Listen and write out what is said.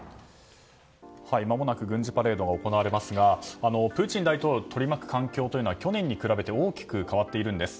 まもなく軍事パレードが行われますがプーチン大統領を取り巻く環境は去年に比べ大きく変わっているんです。